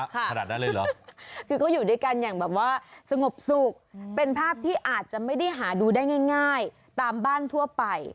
ขนาดนั้นเลยเหรอคือก็อยู่ด้วยกันอย่างแบบว่าสงบสุขเป็นภาพที่อาจจะไม่ได้หาดูได้ง่ายตามบ้านทั่วไป